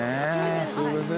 すいません。